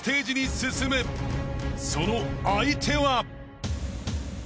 ［その相手は］